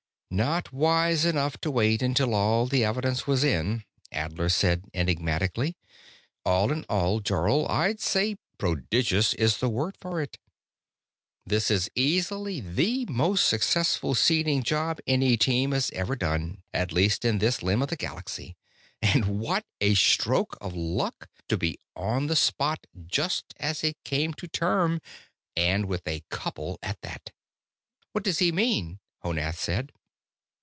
"Not wise enough to wait until all the evidence was in," Adler said enigmatically. "All in all, Jarl, I'd say 'prodigious' is the word for it. This is easily the most successful seeding job any team has ever done, at least in this limb of the galaxy. And what a stroke of luck, to be on the spot just as it came to term, and with a couple at that!" "What does he mean?" Honath said.